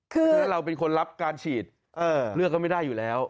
คือถ้าเราเป็นคนรับการฉีดเลือกเขาไม่ได้อยู่แล้ว